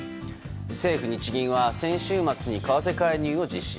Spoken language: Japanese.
政府・日銀は先週末に為替介入を実施。